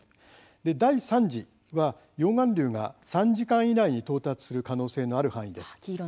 第３次は溶岩流が３時間以内に到達する可能性のある範囲です。